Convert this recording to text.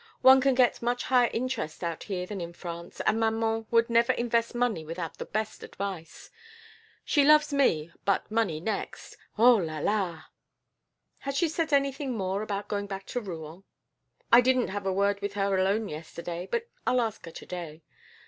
One can get much higher interest out here than in France, and maman would never invest money without the best advice. She loves me, but money next. Oh, là! là!" "Has she said anything more about going back to Rouen?" "I didn't have a word with her alone yesterday, but I'll ask her to day.